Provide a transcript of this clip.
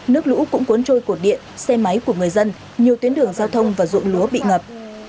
nước lũ cũng cuốn trôi cột điện xe máy của người dân nhiều tuyến đường giao thông và ruộng lúa bị ngập